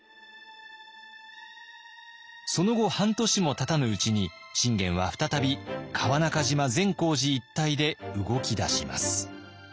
その後半年もたたぬうちに信玄は再び川中島善光寺一帯で動き出します。